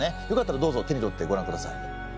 よかったらどうぞ手に取ってご覧ください。